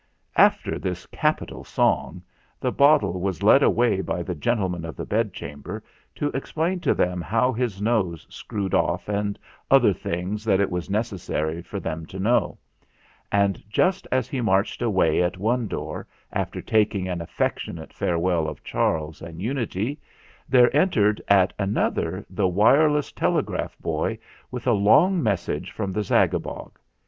After this capital song, the bottle was led away by the Gentleman of the Bedchamber, to explain to them how his nose screwed off, and other things that it was necessary for them to know; and just as he marched away at one door, after taking an affectionate farewell of Charles and Unity, there entered at another the wireless telegraph boy with a long message 324 THE FLINT HEART from the Zagabog.